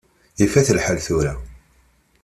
Ifat lḥal tura.